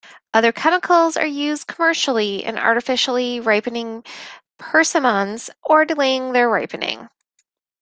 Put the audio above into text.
Other chemicals are used commercially in artificially ripening persimmons or delaying their ripening.